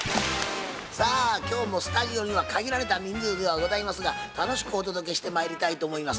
さあ今日もスタジオには限られた人数ではございますが楽しくお届けしてまいりたいと思います。